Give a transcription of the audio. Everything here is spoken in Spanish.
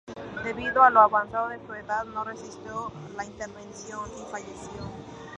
Debido a lo avanzado de su edad, no resistió la intervención y falleció.